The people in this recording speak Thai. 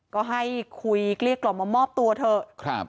ก็ให้คุยเกลี้ยกล่อมมามอบตัวเถอะ